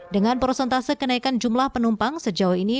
dengan prosentase kenaikan jumlah penumpang sejauh ini